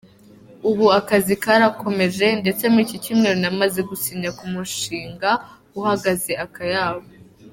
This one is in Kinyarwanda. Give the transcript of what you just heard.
Ubu akazi karakomeje ndetse muri iki cyumweru namaze gusinya ku mushinga uhagaze akayabo.